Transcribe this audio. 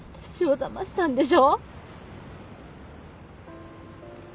だましたんでしょ。